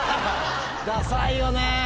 ダサいよね。